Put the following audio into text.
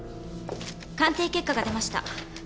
鑑定結果が出ました。